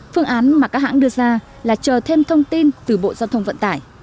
phương án mà các hãng đưa ra là chờ thêm thông tin từ bộ giao thông vận tải